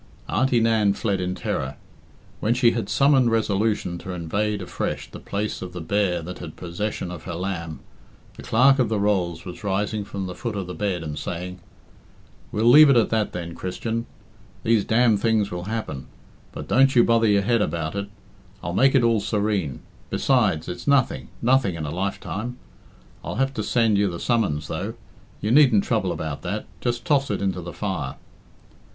Auntie Nan fled in terror. When she had summoned resolution to invade afresh the place of the bear that had possession of her lamb, the Clerk of the Rolls was rising from the foot of the bed and saying "We'll leave it at that then, Christian. These d things will happen; but don't you bother your head about it. I'll make it all serene. Besides, it's nothing nothing in a lifetime. I'll have to send you the summons, though. You needn't trouble about that; just toss it into the fire."